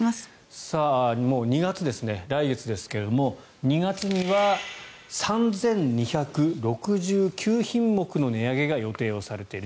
もう２月です、来月ですが２月には３２６９品目の値上げが予定されている。